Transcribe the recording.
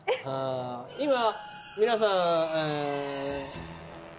今皆さん。